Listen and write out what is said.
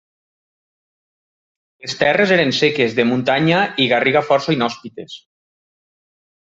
Les terres eren seques, de muntanya i garriga força inhòspites.